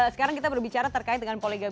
sekarang kita berbicara terkait dengan poligami